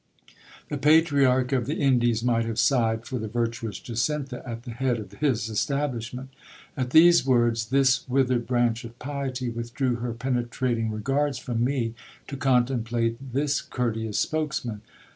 The pa triarch of the Indies might have sighed for the virtuous Jacintha at the head of his establishment. At these words, this withered branch of piety withdrew her penetrating regards from me, to contemplate this courteous spokesman.